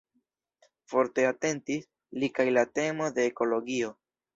Forte atentis li kaj la temo de ekologio.